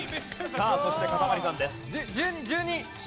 さあそしてかたまりさんです。